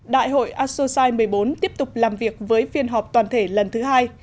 đại hội asosai một mươi bốn tiếp tục làm việc với phiên họp toàn thể lần thứ hai